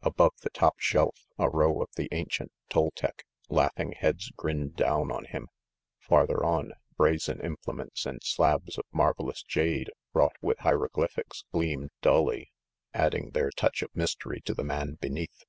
Above the top shelf a row of the ancient Toltec, laughing heads grinned down on him; farther on, brazen implements and slabs of mar velous jade wrought with hieroglyphics gleamed dully, adding their touch of mystery to the man beneath.